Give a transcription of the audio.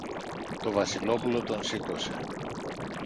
Το Βασιλόπουλο τον σήκωσε.